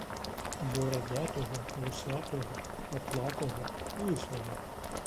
Бородатого, вусатого, патлатого, лисого.